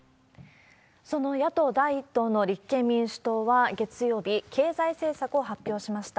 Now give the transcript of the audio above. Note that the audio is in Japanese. その野党第１党の立憲民主党は月曜日、経済政策を発表しました。